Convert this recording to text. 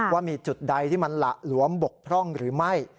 ว่ามีจุดใดที่มันหละหลวมบกพร่องหรือไม่